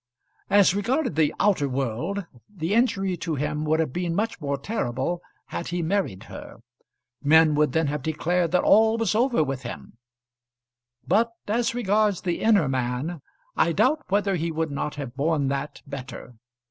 As regarded the outer world, the injury to him would have been much more terrible had he married her; men would then have declared that all was over with him; but as regards the inner man, I doubt whether he would not have borne that better.